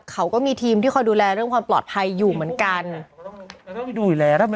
เขาก็มีทีมที่คอยดูแลเรื่องความปลอดภัยอยู่เหมือนกัน